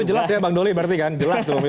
itu jelas ya bang doly berarti kan jelas pemilu